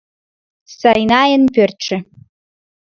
Сайнайын пӧртшӧ.